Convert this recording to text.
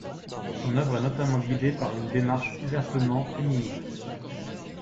Son œuvre est notamment guidée par une démarche ouvertement féministe.